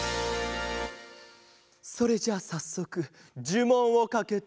それじゃあさっそくじゅもんをかけて。